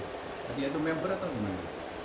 dia itu member atau